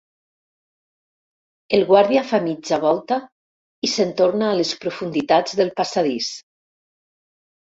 El guàrdia fa mitja volta i se'n torna a les profunditats del passadís.